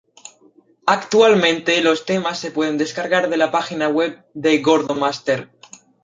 Actualmente los temas se pueden descargar de la página web de Gordo Master.